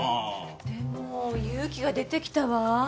でも勇気が出てきたわ。